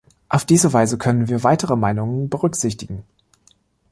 Auf diese Weise können wir weitere Meinungen berücksichtigen.